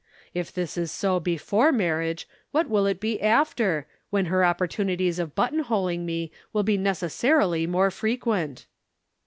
If this is so before marriage, what will it be after, when her opportunities of buttonholing me will be necessarily more frequent?"